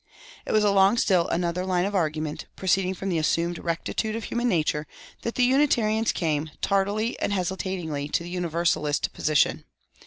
It was along still another line of argument, proceeding from the assumed "rectitude of human nature," that the Unitarians came, tardily and hesitatingly, to the Universalist position.